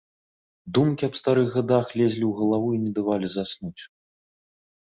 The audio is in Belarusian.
Думкі аб старых гадах лезлі ў галаву і не давалі заснуць.